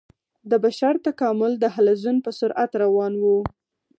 د بشر تکامل د حلزون په سرعت روان و.